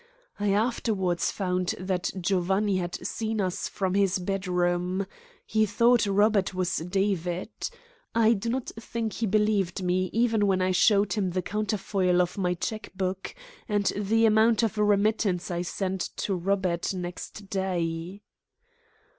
I afterwards found that Giovanni had seen us from his bedroom. He thought Robert was David. I do not think he believed me, even when I showed him the counterfoil of my cheque book, and the amount of a remittance I sent to Robert next day."